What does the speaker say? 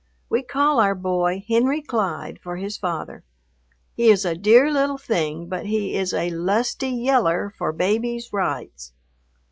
We call our boy Henry Clyde for his father. He is a dear little thing, but he is a lusty yeller for baby's rights.